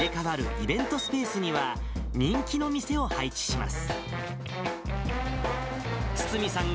イベントスペースには、人気の店を配置します。